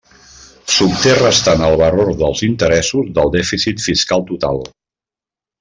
S'obté restant el valor dels interessos del dèficit fiscal total.